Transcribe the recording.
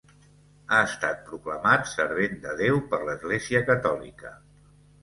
Ha estat proclamat Servent de Déu per l'Església Catòlica.